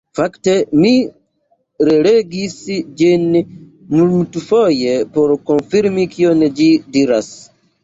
Fakte mi relegis ĝin multfoje por konfirmi kion ĝi diras.